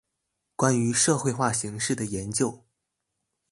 關於社會化形式的研究